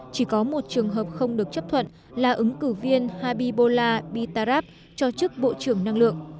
chỉ có một trường hợp không được chấp thuận là ứng cử viên habibola bitarab cho chức bộ trưởng năng lượng